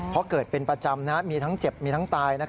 เพราะเกิดเป็นประจำมีทั้งเจ็บมีทั้งตาย